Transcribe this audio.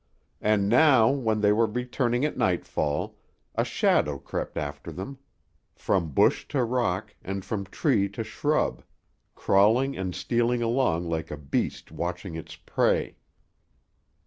And now, when they were returning at nightfall, a shadow crept after them; from bush to rock, and from tree to shrub, crawling and stealing along like a beast watching its prey.